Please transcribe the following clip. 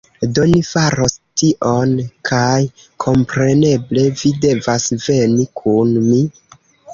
Do, ni faros tion kaj kompreneble vi devas veni kun mi